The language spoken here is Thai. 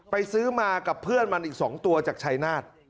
ซื้อมากับเพื่อนมันอีก๒ตัวจากชายนาฏ